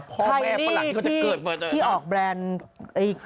พ่อแม่ฝรั่งที่ก็จะเกิด